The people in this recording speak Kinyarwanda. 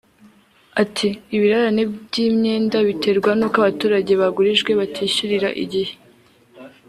ati “Ibirarane by’imyenda biterwa n’uko abaturage bagurijwe batishyurira igihe